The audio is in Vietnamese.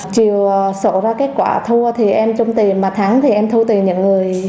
chiều sổ ra kết quả thua thì em chung tiền mà thắng thì em thu tiền những người